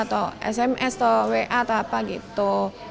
atau sms atau wa atau apa gitu